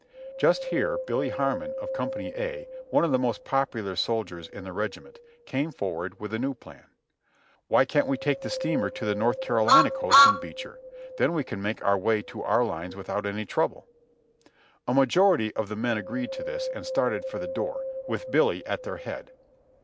Just here Billy Harmon, of Company A, one of the most popular soldiers in the regiment, came forward with a new plan : "Why can't we take the steamer to the North Carolina coast and beach her? Then we can make our way to our lines without any trouble." A majority of the men agreed to this, and started for the door, with Billy at their head.